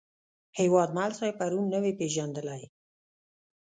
هیوادمل صاحب پرون نه وې پېژندلی.